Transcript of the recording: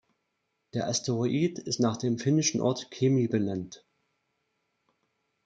Der Asteroid ist nach dem finnischen Ort Kemi benannt.